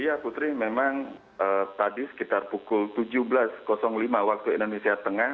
ya putri memang tadi sekitar pukul tujuh belas lima waktu indonesia tengah